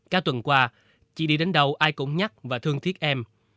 cả tuần qua chị đi đến đâu ai cũng nhắc và thương thiết em